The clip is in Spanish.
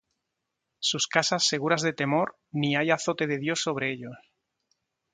Sus casas seguras de temor, Ni hay azote de Dios sobre ellos.